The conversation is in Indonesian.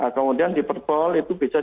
kemudian di perpol itu bisa